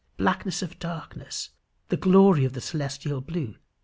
Blackness of darkness!.... The glory of the celestial blue!